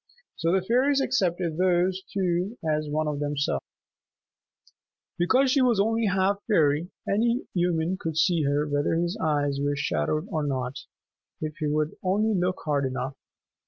So the fairies accepted those two as one of themselves. Ivra was different. Because she was only half fairy, any human could see her whether his eyes were shadowed or not if he would only look hard enough.